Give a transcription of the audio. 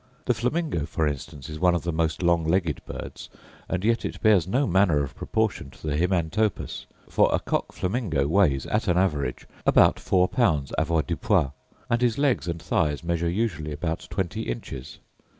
The flamingo, for instance, is one of the most long legged birds, and yet it bears no manner of proportion to the himantopus; for a cock flamingo weighs, at an average, about four pounds avoirdupois; and his legs and thighs measure usually about twenty inches.